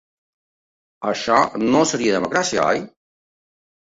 Això no seria democràcia, oi?.